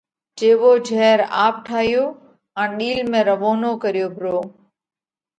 جيوو جھير آپ ٺايو ان ڏِيل ۾ روَونو ڪريو پرو۔